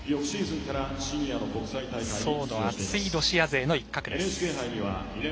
層の厚いロシア勢の一角です。